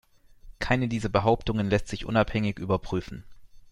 Keine dieser Behauptungen lässt sich unabhängig überprüfen.